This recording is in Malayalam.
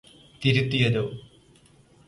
തിരുത്തിയതോ